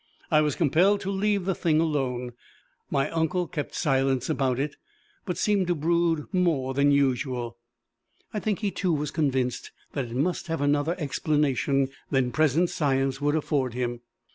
I was compelled to leave the thing alone. My uncle kept silence about it, but seemed to brood more than usual. I think he too was convinced that it must have another explanation than present science would afford him.